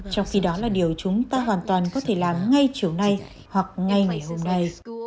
trong khi đó là điều chúng ta hoàn toàn có thể làm ngay chiều nay hoặc ngay ngày hôm nay